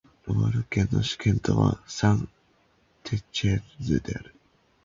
ロワール県の県都はサン＝テチエンヌである